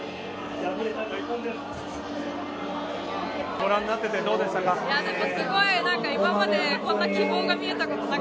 ご覧になっていてどうでしたか？